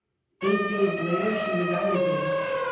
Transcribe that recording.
Eight days later she was out again.